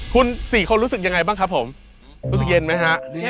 คุณ๔คนรู้สึกยังไงบ้างครับผมรู้สึกเย็นไหมฮะ